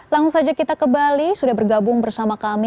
langsung saja kita ke bali sudah bergabung bersama kami